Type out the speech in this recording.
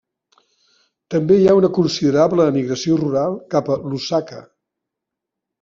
També hi ha una considerable emigració rural cap a Lusaka.